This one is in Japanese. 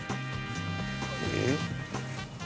えっ？